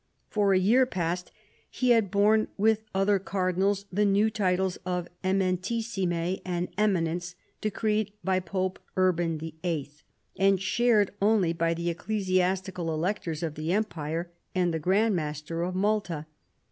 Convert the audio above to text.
For a year past he had borne, with »ther Cardinals, the new titles of Eminentissime and Eminence, decreed by Pope Urban VIII., and shared only )y the ecclesiastical Electors of the Empire and the Grand blaster of Malta.